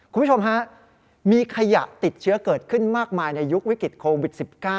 คุณผู้ชมฮะมีขยะติดเชื้อเกิดขึ้นมากมายในยุควิกฤตโควิด๑๙